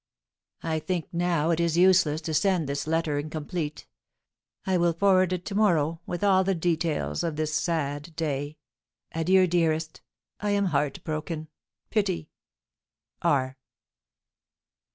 I think now it is useless to send this letter incomplete. I will forward it to morrow, with all the details of this sad day. Adieu, dearest! I am heart broken pity! R.